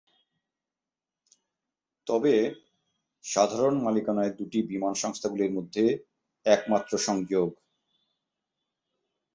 তবে, সাধারণ মালিকানায় দুটি বিমান সংস্থাগুলির মধ্যে একমাত্র সংযোগ।